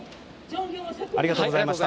ありがとうございます。